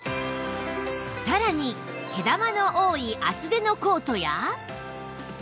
さらに毛玉の多い厚手のコートや